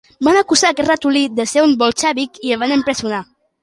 Van acusar aquest ratolí de ser un bolxevic i el van empresonar.